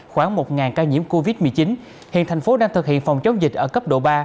khoảng một ca nhiễm covid một mươi chín hiện thành phố đang thực hiện phòng chống dịch ở cấp độ ba